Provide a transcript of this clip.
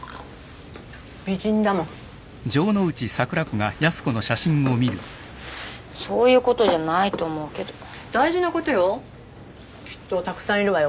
美人だもんそういうことじゃないと思うけど大事なことよきっとたくさんいるわよ